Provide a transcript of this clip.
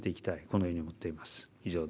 このように思っています。